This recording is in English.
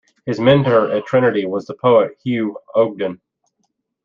His mentor at Trinity was the poet Hugh Ogden.